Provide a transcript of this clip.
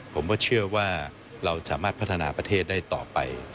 ผมก็เชื่อว่าเราสามารถพัฒนาประเทศได้ต่อไป